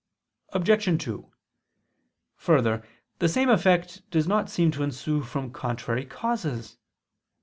Obj. 2: Further, the same effect does not seem to ensue from contrary causes.